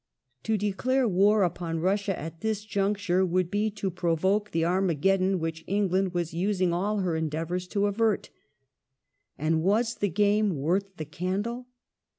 To declare war upon Russia, at this j uncture, would be to provoke the Armageddon which England was using all her endeavours to avert. And was the game worth the candle